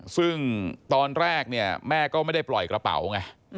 ซึ่งตอนแรกเนี่ยแม่ก็ไม่ได้ปล่อยกระเป๋าไง